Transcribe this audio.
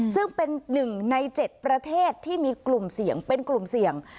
ซึ่งเป็น๑ใน๗ประเทศที่มีกลุ่มเสี่ยงเป็นกลุ่มเสี่ยง